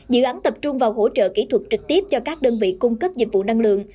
dự án tập trung vào hỗ trợ kỹ thuật trực tiếp cho các đơn vị cung cấp dịch vụ năng lượng